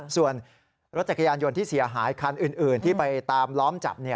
ส่วนรถจักรยานยนต์ที่เสียหายคันอื่นที่ไปตามล้อมจับ